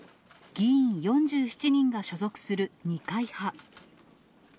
議員４７人が所属する二階派。